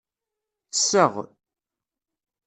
Ttesseɣ.